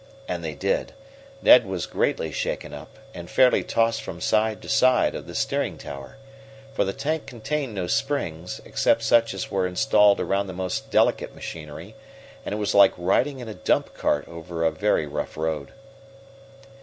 And they did. Ned was greatly shaken up, and fairly tossed from side to side of the steering tower. For the tank contained no springs, except such as were installed around the most delicate machinery, and it was like riding in a dump cart over a very rough road.